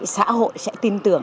xã hội sẽ tin tưởng